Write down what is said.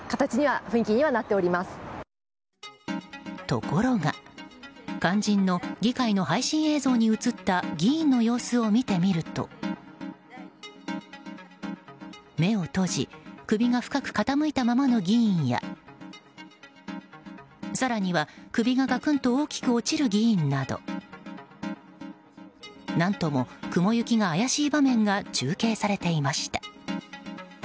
ところが、肝心の議会の配信映像に映った議員の様子を見てみると目を閉じ首が深く傾いたままの議員や更には首がガクンと大きく落ちる議員など何とも雲行きが怪しい場面が中継されていました。